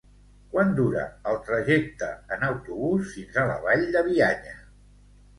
Quant dura el trajecte en autobús fins a la Vall de Bianya?